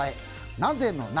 「なぜ」の「な」。